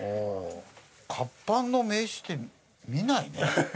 活版の名刺って見ないね。